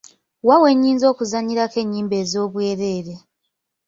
Wa we nnyinza okuzannyira ennyimba ez'obwereere ?